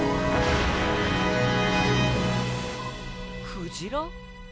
クジラ？